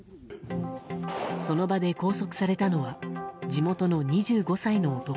その場で拘束されたのは地元の２５歳の男。